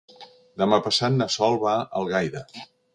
Demà passat na Sol va a Algaida.